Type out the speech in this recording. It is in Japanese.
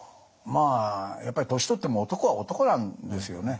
まあやっぱり年取っても男は男なんですよね。